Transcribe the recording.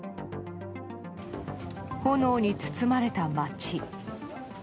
炎に包まれた街。